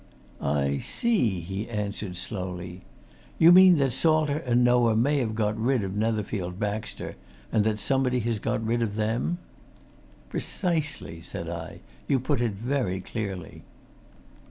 "I see!" he answered slowly. "You mean that Salter and Noah may have got rid of Netherfield Baxter and that somebody has got rid of them?" "Precisely!" said I. "You put it very clearly."